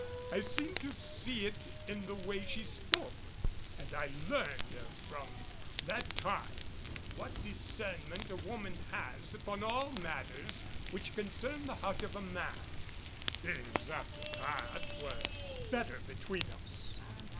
I seemed to see it in the way she spoke; and I learned from that time what discernment a woman has upon all matters which concern the heart of a man. Things after that were better between us.